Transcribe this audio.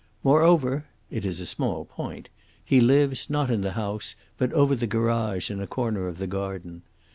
Moreover it is a small point he lives, not in the house, but over the garage in a corner of the garden.